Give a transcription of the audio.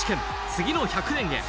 次の１００年へ。